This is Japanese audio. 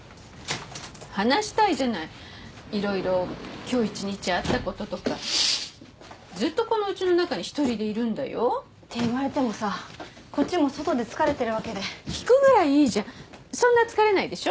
話したいじゃないいろいろ今日一日あったこととかずっとこのうちの中に１人でいるんだよ？って言われてもさこっちも外で疲れてるわけで聞くぐらいいいじゃんそんな疲れないでしょ？